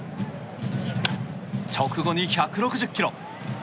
直後に１６０キロ。